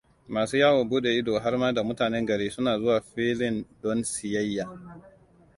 Masu yawon bude ido harma da mutanen gari suna zuwa filin don siyayya.